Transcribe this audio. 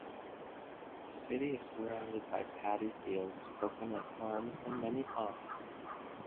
The city is surrounded by paddy fields, coconut farms, and many ponds.